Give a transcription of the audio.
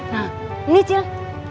nah ini cil